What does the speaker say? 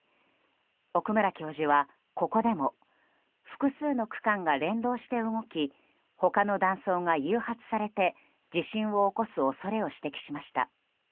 奥村教授は、ここでも複数の区間が連動して動き他の断層が誘発されて地震を起こす恐れを指摘しました。